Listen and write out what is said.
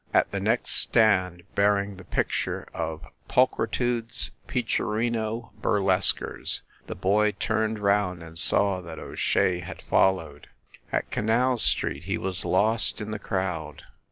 At the next stand, bearing the picture of "Pulchritude s Peacherino Bur lesquers," the boy turned round and saw that O Shea had followed. At Canal Street he was lost in the crowd.